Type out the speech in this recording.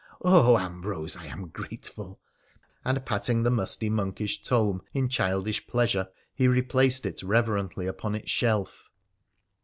Oh ! Ambrose, I am grateful,' and patting the musty monkish tome in childish pleasure, he replaced it reverently upon its shelf.